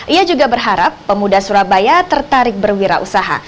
ia juga berharap pemuda surabaya tertarik berwirausaha